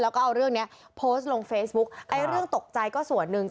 แล้วก็เอาเรื่องเนี้ยโพสต์ลงเฟซบุ๊กไอ้เรื่องตกใจก็ส่วนหนึ่ง